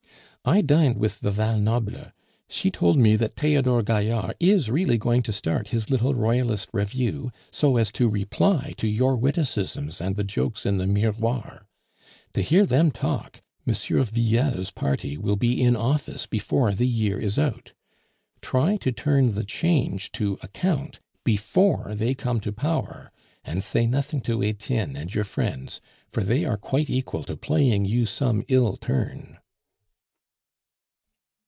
"I dined with the Val Noble; she told me that Theodore Gaillard is really going to start his little Royalist Revue, so as to reply to your witticisms and the jokes in the Miroir. To hear them talk, M. Villele's party will be in office before the year is out. Try to turn the change to account before they come to power; and say nothing to Etienne and your friends, for they are quite equal to playing you some ill turn."